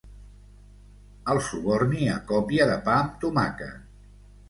El suborni a còpia de pa amb tomàquet.